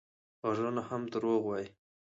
غږونه هم دروغ وايي